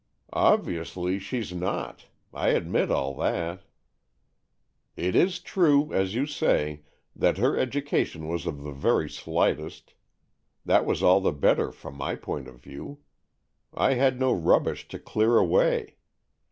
" Obviously she's not. I admit all that." " It is true, as you say, that her education was of the very slightest. That was all the better from my point of view. I had no rubbish to clear away.